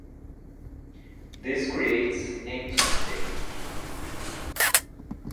This creates empty space.